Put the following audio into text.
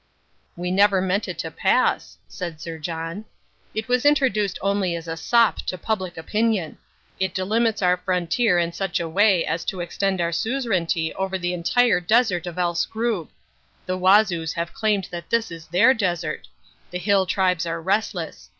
"We never meant it to pass," said Sir John. "It was introduced only as a sop to public opinion. It delimits our frontier in such a way as to extend our suzerainty over the entire desert of El Skrub. The Wazoos have claimed that this is their desert. The hill tribes are restless.